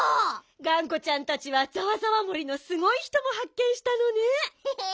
がんこちゃんたちはざわざわ森のすごいひともはっけんしたのね。へへ。